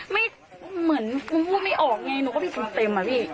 ไม่เหมือนพูดไม่ออกไงหนูก็ไม่ตีเต็มอ่ะพี่